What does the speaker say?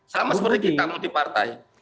sama seperti kita multipartai